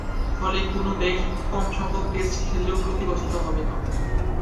ফলে, কোন দেশ কমসংখ্যায় টেস্ট খেললেও ক্ষতিগ্রস্ত হবে না।